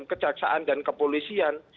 kejaksaan dan kepolisian